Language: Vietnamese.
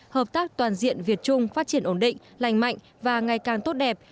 hợp tác toàn diện việt trung phát triển ổn định lành mạnh và ngày càng tốt đẹp